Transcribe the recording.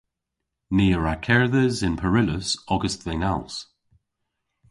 Ni a wra kerdhes yn peryllus ogas dhe'n als.